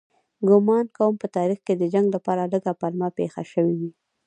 ګومان کوم په تاریخ کې د جنګ لپاره لږ پلمه پېښه شوې وي.